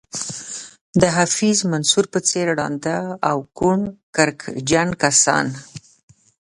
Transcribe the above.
د حفیظ منصور په څېر ړانده او کڼ کرکجن کسان.